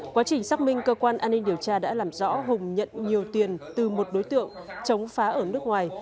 quá trình xác minh cơ quan an ninh điều tra đã làm rõ hùng nhận nhiều tiền từ một đối tượng chống phá ở nước ngoài